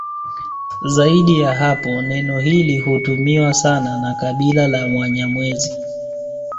Zaidi ya hapo neno hili hutumiwa sana na kabila la Wanyamwezi